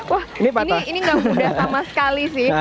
wah ini nggak mudah sama sekali sih